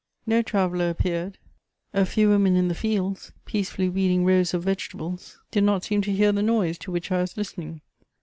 No traveller appeared; a few women in the fields, peacefully weeding rows of vegetables, did not seem to hear the noise to which I was listening.